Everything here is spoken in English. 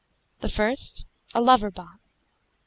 The first a lover bought.